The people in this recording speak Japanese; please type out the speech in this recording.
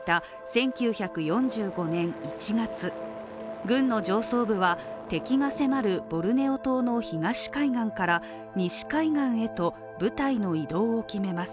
１９４５年１月軍の上層部は敵が迫るボルネオ島の東海岸から西海岸へと部隊の移動を決めます。